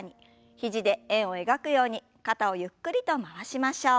肘で円を描くように肩をゆっくりと回しましょう。